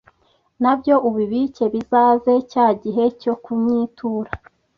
Nabyo ubibike bizaze cya gihe cyo kunyitura